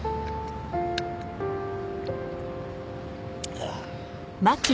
ああ。